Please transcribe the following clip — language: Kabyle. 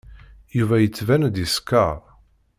Yuba yettban-d yeskeṛ.